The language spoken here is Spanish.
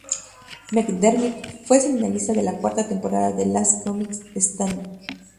McDermitt fue semifinalista de la cuarta temporada de "Last Comic Standing".